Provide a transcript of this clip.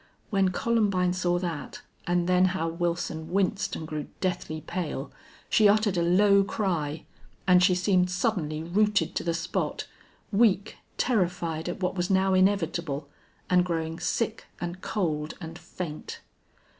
When Columbine saw that, and then how Wilson winced and grew deathly pale, she uttered a low cry, and she seemed suddenly rooted to the spot, weak, terrified at what was now inevitable, and growing sick and cold and faint.